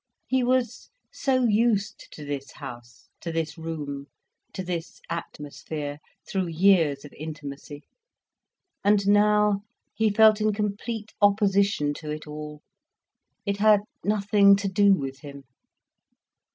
He was so used to this house, to this room, to this atmosphere, through years of intimacy, and now he felt in complete opposition to it all, it had nothing to do with him.